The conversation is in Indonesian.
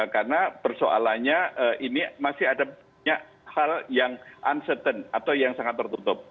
karena persoalannya ini masih ada hal yang uncertain atau yang sangat tertutup